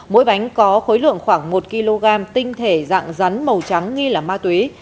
mỗi bánh có khối lượng khoảng một kg tinh thể dạng rắn màu trắng nghi là ma túy